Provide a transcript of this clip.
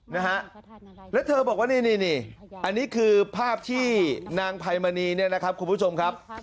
นะฮะแล้วเธอบอกว่านี่นี่อันนี้คือภาพที่นางไพมณีเนี่ยนะครับคุณผู้ชมครับ